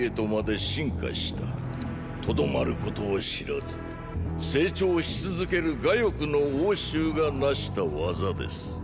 とどまることを知らず成長し続ける我欲の応酬が成した業です。